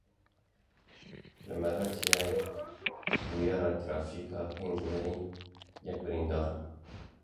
Li Meletiyê bûyera trafîkê pênc mirî, yek birîndar.